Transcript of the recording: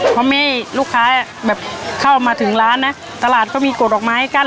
เพราะมีลูกค้าแบบเข้ามาถึงร้านนะตลาดก็มีกดดอกไม้กั้น